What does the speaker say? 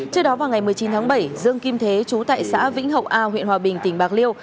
trước đó vào ngày một mươi chín tháng bảy dương kim thế chú tại xã vĩnh hậu a huyện hòa bình tỉnh bạc liêu